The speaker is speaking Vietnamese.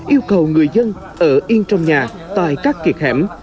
yêu cầu người dân ở yên trong nhà tại các kiệt hẻm